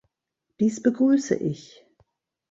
Dies begrüße ich.